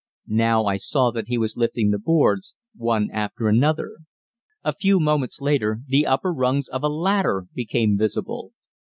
Now I saw that he was lifting the boards, one after another. A few moments later the upper rungs of a ladder became visible.